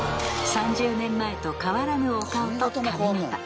３０年前と変わらぬお顔と髪形